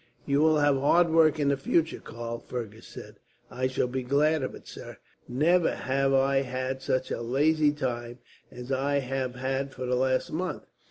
"You will have harder work in the future, Karl," Fergus said. "I shall be glad of it, sir. Never have I had such a lazy time as I have had for the last month.